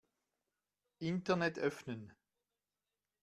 Internet öffnen.